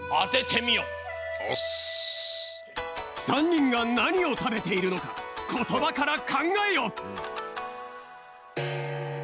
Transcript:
３にんがなにをたべているのかことばからかんがえよ！